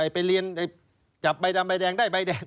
ไปเรียนจับใบดำใบแดงได้ใบแดง